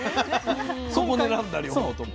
そこ狙うんだ両方とも。